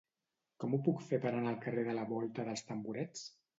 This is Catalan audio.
Com ho puc fer per anar al carrer de la Volta dels Tamborets?